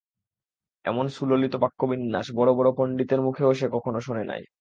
এমন সুললিত বাক্যবিন্যাস বড় বড় পণ্ডিতের মুখেও সে কখনও শোনে নাই।